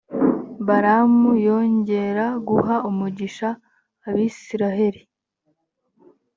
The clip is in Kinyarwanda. balamu yongera guha umugisha abayisraheli.